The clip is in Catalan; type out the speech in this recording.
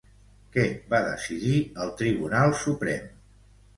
Què va decidir el Tribunal Suprem?